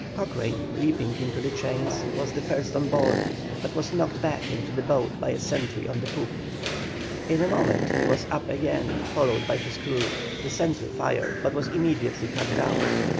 Cochrane, leaping into the chains, was the first on board, but was knocked back into the boat by the sentry on the poop. In a moment he was up again, followed by his crew. The sentry fired, but was immediately cut down.